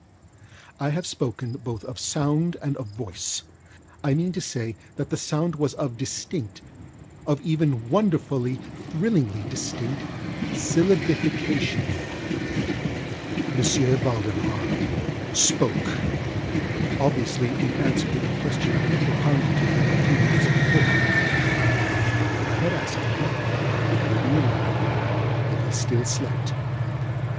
I have spoken both of ŌĆ£soundŌĆØ and of ŌĆ£voice. ŌĆØ I mean to say that the sound was one of distinctŌĆöof even wonderfully, thrillingly distinctŌĆösyllabification. M. Valdemar spokeŌĆöobviously in reply to the question I had propounded to him a few minutes before. I had asked him, it will be remembered, if he still slept.